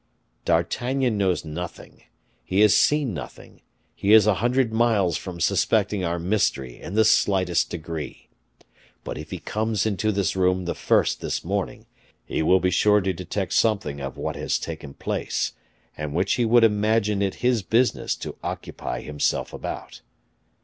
D'Artagnan knows nothing, he has seen nothing; he is a hundred miles from suspecting our mystery in the slightest degree, but if he comes into this room the first this morning, he will be sure to detect something of what has taken place, and which he would imagine it his business to occupy himself about.